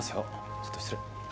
ちょっと失礼。